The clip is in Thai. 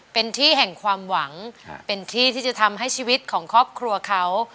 เป็นที่ที่จะทำให้ชีวิตของครอบครัวเขา